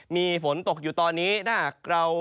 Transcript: มีฝนตกอยู่ตอนนี้ถ้าหากเรา